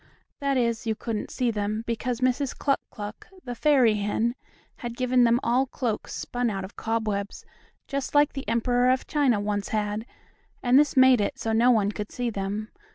That is, you couldn't see them, because Mrs. Cluck Cluck, the fairy hen, had given them all cloaks spun out of cobwebs, just like the Emperor of China once had, and this made it so no one could see them.